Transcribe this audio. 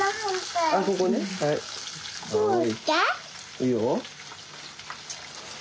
いいよ。